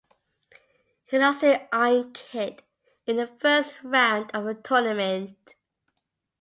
He lost to Iron Kid in the first round of the tournament.